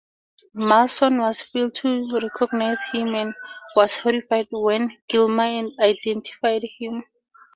Mason also failed to recognise him and was "horrified" when Gilmour identified him.